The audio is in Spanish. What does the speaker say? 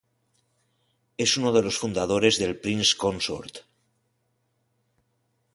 Es uno de los fundadores del "Prince Consort".